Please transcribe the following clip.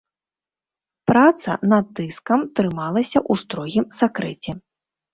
Праца над дыскам трымалася ў строгім сакрэце.